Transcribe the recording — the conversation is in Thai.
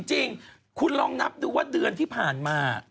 จริงคุณลองนับดูว่าเดือนที่ผ่านมา